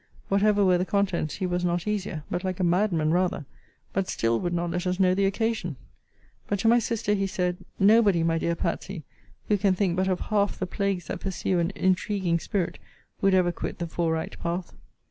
Whatever were the contents, he was not easier, but like a madman rather: but still would not let us know the occasion. But to my sister he said, nobody, my dear Patsey, who can think but of half the plagues that pursue an intriguing spirit, would ever quit the fore right path.